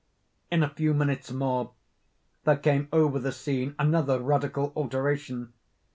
In a few minutes more, there came over the scene another radical alteration.